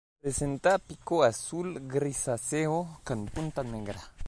Presenta pico azul grisáceo con punta negra.